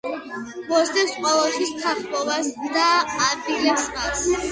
მოსდევს ყოველთვის თანხმოვანს და არბილებს მას.